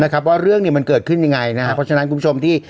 ว่าเรื่องนี้มันเกิดขึ้นยังไงนะครับเพราะฉะนั้นคุณผู้ชมที่